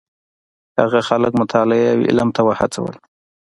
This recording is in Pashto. هغه خلک مطالعې او علم ته وهڅول.